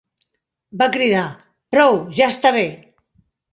Va cridar: «Prou, ja està bé!